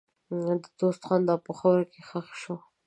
د دوست خندا په خاوره کې ښخ شوه.